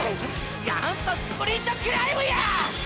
元祖スプリントクライムや！！